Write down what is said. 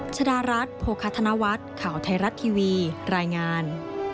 ชดารัฐโภคธนวัฒน์ข่าวไทยรัฐทีวีรายงาน